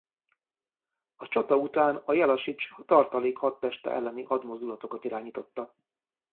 A csata után a Jellasics tartalék hadteste elleni hadmozdulatokat irányította.